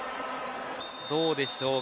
どうでしょうか。